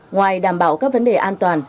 ngoài đảm bảo các vấn đề an toàn